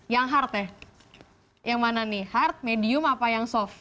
yang hardnya yang mana nih hard medium apa yang soft